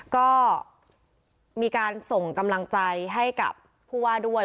ก็มีการส่งกำลังใจให้กับผู้ว่าด้วย